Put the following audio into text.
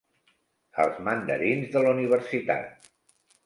Els mandarins de la universitat.